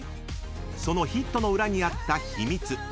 ［そのヒットの裏にあった秘密。